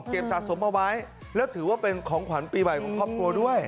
จากสมบัติและถือว่าเป็นของขวัญปีใหม่ของครอบครัวด้วย